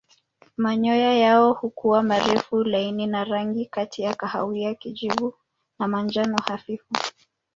Manyoya yao huwa marefu laini na rangi kati ya kahawia kijivu na manjano hafifu.